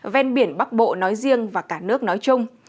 ven biển bắc bộ nói riêng và cả nước nói chung